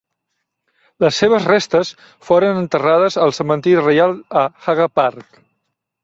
Les seves restes foren enterrades al Cementiri Reial a Haga Park.